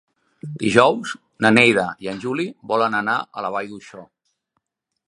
Dijous na Neida i en Juli volen anar a la Vall d'Uixó.